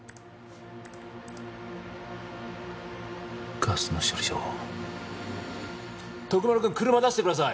ガスの処理場徳丸くん車出してください